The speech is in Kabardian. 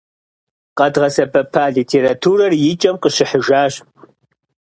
Къэдгъэсэбэпа литературэр и кӏэм къыщыхьыжащ.